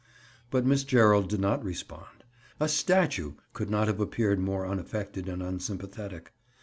But Miss Gerald did not respond. A statue could not have appeared more unaffected and unsympathetic.